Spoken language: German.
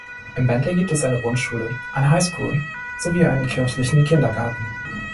In Bentley gibt es eine Grundschule, eine Highschool sowie einen kirchlichen Kindergarten.